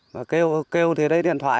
và kêu thì đây điện thoại